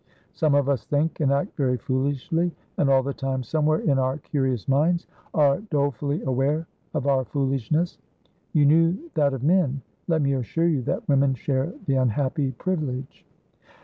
Some of us think and act very foolishly, and all the time, somewhere in our curious minds, are dolefully aware of our foolishness. You knew that of men; let me assure you that women share the unhappy privilege."